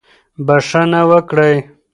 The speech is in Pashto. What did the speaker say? بښنه وکړئ.